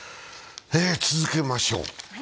続けましょう。